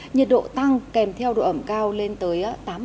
nhiệt độ tăng kèm theo độ ẩm cao lên tới tám mươi